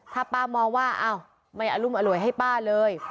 ถ้าป้ามองว่าอ้าวไม่อรุมอร่วยให้ป้าเลย